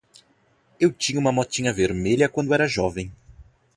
Eu tinha uma motinha vermelha quando era jovem.